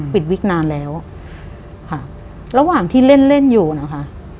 ปิดวิกนานแล้วระหว่างที่เล่นอยู่นะคะ